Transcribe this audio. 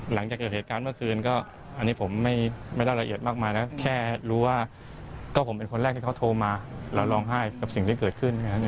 หลังจากเกิดเหตุการณ์เมื่อคืนก็อันนี้ผมไม่ได้ละเอียดมากมายนะแค่รู้ว่าก็ผมเป็นคนแรกที่เขาโทรมาแล้วร้องไห้กับสิ่งที่เกิดขึ้น